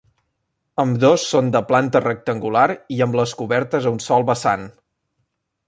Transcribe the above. Ambdós són de planta rectangular i amb les cobertes a un sol vessant.